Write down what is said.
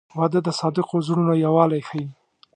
• واده د صادقو زړونو یووالی ښیي.